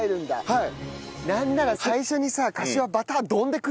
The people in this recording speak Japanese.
はい。